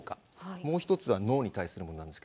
もう１つは脳に対するものです。